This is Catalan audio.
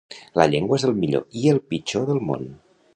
La llengua és el millor i el pitjor del món.